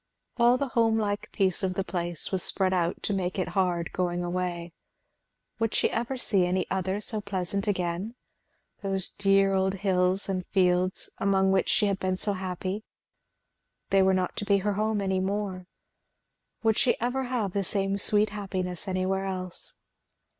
All the home like peace of the place was spread out to make it hard going away. Would she ever see any other so pleasant again? Those dear old hills and fields, among which she had been so happy, they were not to be her home any more; would she ever have the same sweet happiness anywhere else?